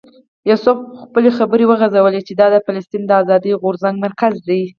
یوسف خپلې خبرې وغځولې چې دا د فلسطین د آزادۍ غورځنګ مرکز دی.